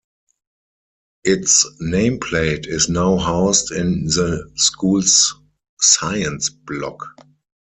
Its nameplate is now housed in the School's Science Block.